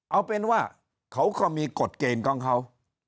เอาเป็นว่าเขาก็มีกฎเกณฑ์ของเขา